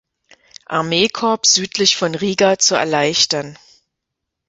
Armeekorps südlich von Riga zu erleichtern.